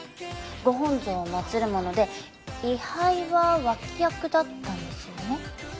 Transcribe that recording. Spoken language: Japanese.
ご本尊を祭るもので遺灰は脇役だったんですよね？